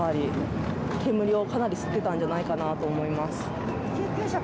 煙をかなり吸っていたんじゃないかと思います。